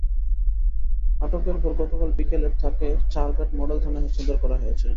আটকের পর গতকাল বিকেলে তাঁকে চারঘাট মডেল থানায় হস্তান্তর করা হয়েছে।